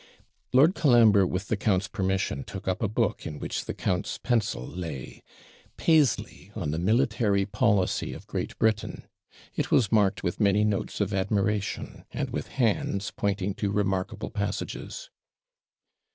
Lord Colambre, with the count's permission, took up a book in which the count's pencil lay, PASLEY ON THE MILITARY POLICY OF GREAT BRITAIN; it was marked with many notes of admiration, and with hands pointing to remarkable passages.